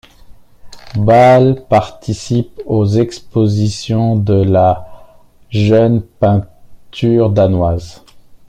Balle participe aux expositions de la jeune peinture danoise.